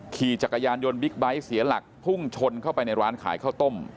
ขี่จักรยานยนต์บิ๊กไบท์เสียหลักพุ่งชนเข้าไปในร้านขายข้าวต้ม